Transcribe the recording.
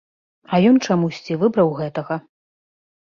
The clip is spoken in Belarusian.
А ён чамусьці выбраў гэтага.